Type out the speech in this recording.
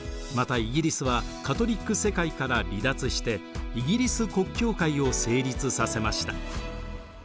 またイギリスはカトリック世界から離脱してイギリス国教会を成立させました。